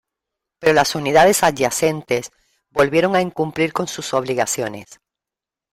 Pero las unidades adyacentes volvieron a incumplir con sus obligaciones.